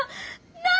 なあ！